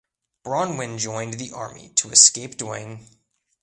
Bronwyn joined the army to escape Dwayne.